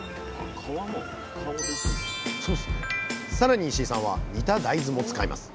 さらに石井さんは煮た大豆も使います。